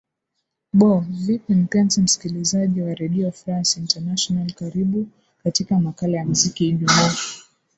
bo vipi mpenzi msikilizaji wa redio france international karibu katika makala ya mziki ijumaa